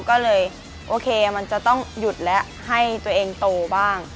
ก็เลยโอเคมันจะต้องหยุดแล้วให้ตัวเองโตบ้าง